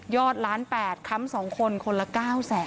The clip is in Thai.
ยอดล้านแปดค้ำสองคนคนละเก้าแสน